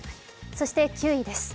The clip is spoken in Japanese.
そして９位です。